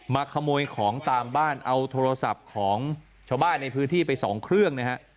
ขโมยของตามบ้านเอาโทรศัพท์ของชาวบ้านในพื้นที่ไปสองเครื่องนะฮะ